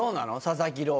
佐々木朗